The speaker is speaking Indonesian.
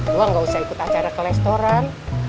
lu nggak usah ikut acara ke restoran